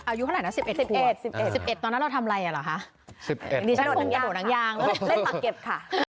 อายุเท่านั้นสิบเอ็ดสิบเอ็ดสิบเอ็ดตอนนั้นเราทำอะไรอ่ะเหรอคะสิบเอ็ดนางยางนางยางเล่นปักเก็บค่ะ